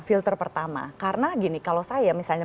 filter pertama karena gini kalau saya misalnya